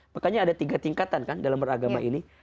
makanya ada tiga tingkatan kan dalam beragama ini